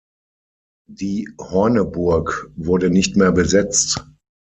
Die Horneburg wurde nicht mehr besetzt.